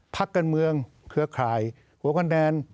พักกันเมืองเครือคลายหัวข้างแดน